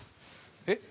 えっ？